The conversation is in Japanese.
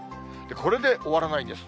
これで終わらないんです。